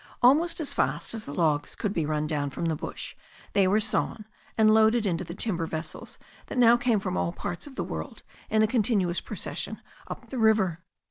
Almost as fast as the logs could be run down from the bush they were sawn and loaded into the timber vessels that now came from all parts of the world in a continuous procession up the river.